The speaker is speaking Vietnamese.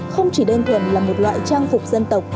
không chỉ đơn thuần là một loại trang phục dân tộc